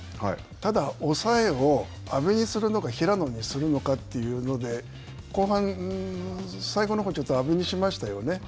ただ、抑えを阿部にするのか平野にするのかというので後半、最後のほうにちょっと阿部にしましたよね。